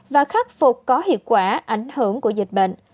và khắc phục có hiệu quả ảnh hưởng của dịch bệnh